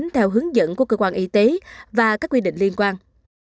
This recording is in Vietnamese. theo hướng dẫn của cơ quan y tế và các quy định liên quan